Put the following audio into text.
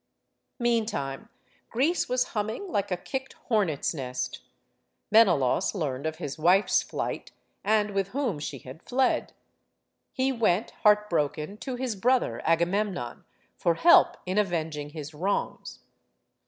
Meantime, Greece was humming like a kicked hor net's nest. Menelaus learned of his wife's flight, and with whom she had fled. He went, heart broken, to his brother Agamemnon for help in avenging his wrongs.